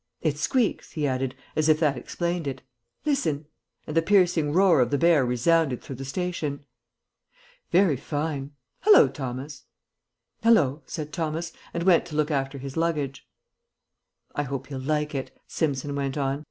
It squeaks," he added, as if that explained it. "Listen," and the piercing roar of the bear resounded through the station. "Very fine. Hallo, Thomas!" "Hallo!" said Thomas, and went to look after his luggage. "I hope he'll like it," Simpson went on.